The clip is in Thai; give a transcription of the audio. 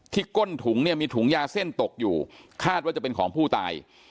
ก้นถุงเนี่ยมีถุงยาเส้นตกอยู่คาดว่าจะเป็นของผู้ตาย